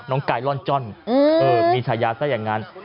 น้องไกรร่อนจ้อน